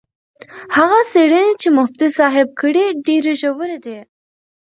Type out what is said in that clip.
هغه څېړنې چې مفتي صاحب کړي ډېرې ژورې دي.